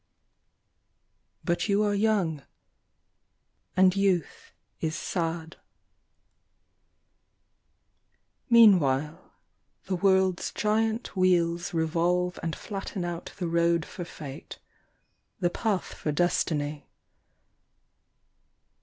But you are young — And youth is sad." Meanwhile The World's giant wheels revolve and flatten out The road for Fate — the path for Destiny.